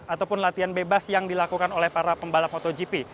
ataupun latihan bebas yang dilakukan oleh para pembalap motogp